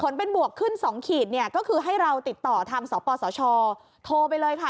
เป็นบวกขึ้น๒ขีดเนี่ยก็คือให้เราติดต่อทางสปสชโทรไปเลยค่ะ